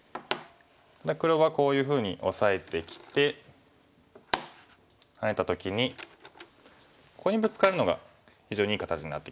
黒はこういうふうにオサえてきてハネた時にここにブツカるのが非常にいい形になってきますね。